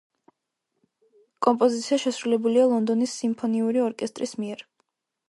კომპოზიცია შესრულებულია ლონდონის სიმფონიური ორკესტრის მიერ.